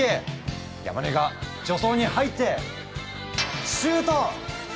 山根が助走に入ってシュート！